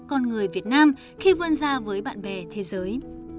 con người việt nam khi vươn ra với bạn bè thế giới